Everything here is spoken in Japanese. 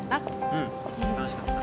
うん楽しかった。